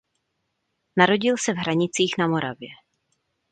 Narodil se v Hranicích na Moravě.